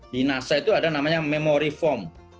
di nasa itu ada namanya memory foam